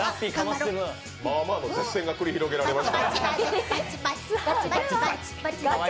まあまあの舌戦が繰り広げられます。